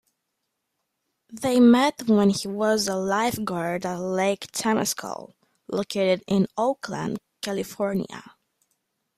They met when he was a lifeguard at Lake Temescal, located in Oakland, California.